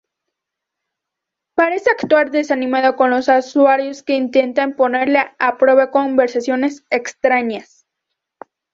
Parece actuar desanimado con los usuarios que intentan ponerle a prueba con conversaciones extrañas.